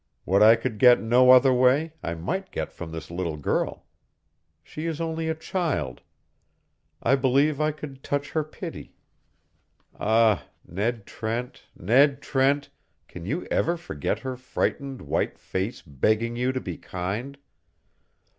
What I could get no other way I might get from this little girl. She is only a child. I believe I could touch her pity ah, Ned Trent, Ned Trent, can you ever forget her frightened, white face begging you to be kind?"